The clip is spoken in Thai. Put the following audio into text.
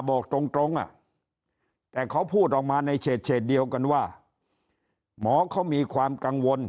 บอกตรงแต่เขาพูดออกมาในเฉดเดียวกันว่าหมอเขามีความกังวล